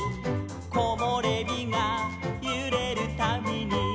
「こもれびがゆれるたびに」